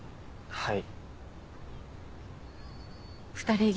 はい。